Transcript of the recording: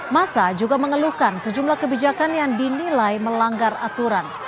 masa juga mengeluhkan sejumlah kebijakan yang dinilai melanggar aturan